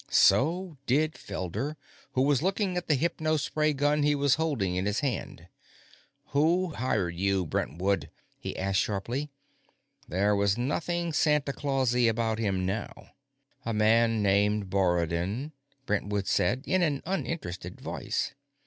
So did Felder, who was looking at the hypospray gun he was holding in his hand. "Who hired you, Brentwood?" he asked sharply. There was nothing Santa Clausy about him now. "A man named Borodin," Brentwood said, in an uninterested voice.